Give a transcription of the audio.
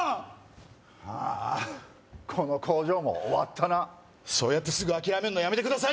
ああこの工場も終わったなそうやってすぐ諦めんのやめてください